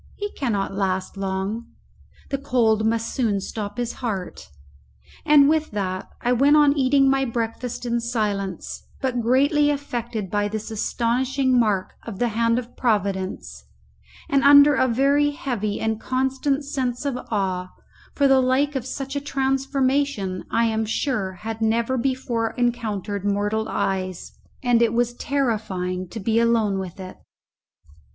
He cannot last long; the cold must soon stop his heart. And with that I went on eating my breakfast in silence, but greatly affected by this astonishing mark of the hand of Providence, and under a very heavy and constant sense of awe, for the like of such a transformation I am sure had never before encountered mortal eyes, and it was terrifying to be alone with it.